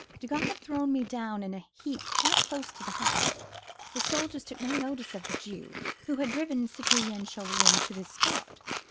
Desgas had thrown me down in a heap quite close to the hut; the soldiers took no notice of the Jew, who had driven Citoyen Chauvelin to this spot.